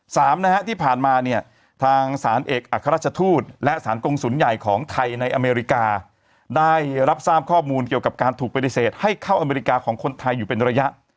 สามนะฮะที่ผ่านมาเนี่ยทางสารเอกอัครราชทูตและสารกงศูนย์ใหญ่ของไทยในอเมริกาได้รับทราบข้อมูลเกี่ยวกับการถูกปฏิเสธให้เข้าอเมริกาของคนไทยอยู่เป็นระยะ